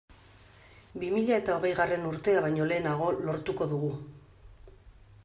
Bi mila eta hogeigarren urtea baino lehenago lortuko dugu.